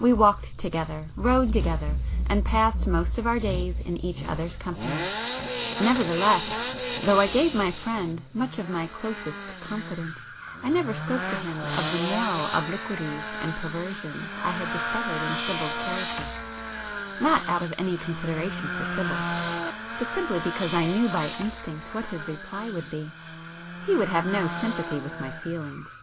We walked together, rode together, and passed most of our days in each other's company,—nevertheless though I gave my friend much of my closest confidence I never spoke to him of the moral obliquities and perversions I had discovered in Sibyl's character,—not out of any consideration for Sibyl, but simply because I knew by instinct what his reply would be. He would have no sympathy with my feelings.